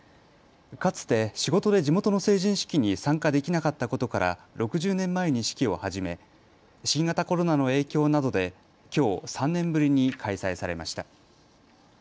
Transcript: かつて仕事で地元の成人式に参加できなかったことから６０年前に式を始め、新型コロナの影響などできょう３年ぶりに開催されました。